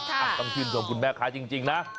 ต้องชื่นชมคุณแม่ค้าจริงนะ